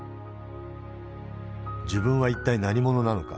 自分は一体何者なのか。